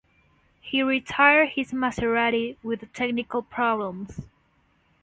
He retired his Maserati with technical problems.